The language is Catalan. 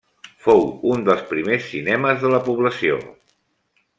Fou un dels primers cinemes de la població.